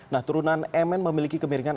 nah turunan mn memiliki kemiringan